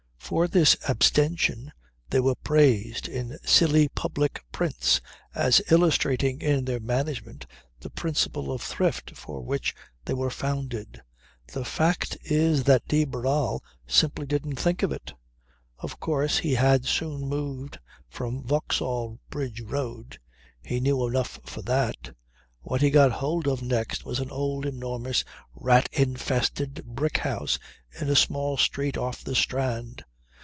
For this abstention they were praised in silly public prints as illustrating in their management the principle of Thrift for which they were founded. The fact is that de Barral simply didn't think of it. Of course he had soon moved from Vauxhall Bridge Road. He knew enough for that. What he got hold of next was an old, enormous, rat infested brick house in a small street off the Strand.